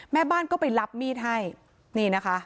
แม่บ้านก็ไปรับมีดให้นี่นะคะ